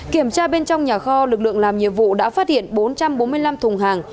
kiểm tra bên trong nhà kho lực lượng làm nhiệm vụ đã phát hiện bốn trăm bốn mươi năm thùng hàng